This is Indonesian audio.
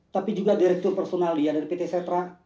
tapi juga direktur personalia dari pt setra